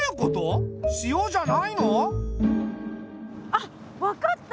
あっ分かった！